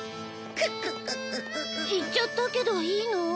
行っちゃったけどいいの？